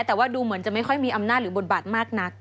แต่ว่าดูเหมือนจะไม่ค่อยมีอำนาจหรือบทบาทมากนัก